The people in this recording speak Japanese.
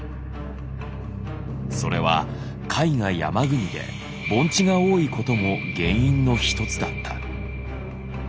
それは甲斐が山国で盆地が多いことも原因の一つだった。